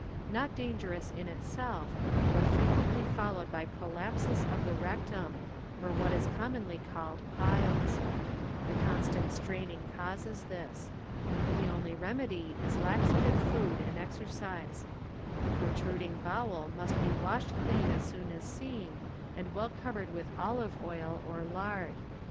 Not dangerous in itself, but fre quently followed by prolapsus of the rec tum, or what is commonly called piles. The constant straining causes this. The only remedy is laxative food and exer cise. The protruding bowel must be washed clean as soon as seen and well covered with olive oil or lard.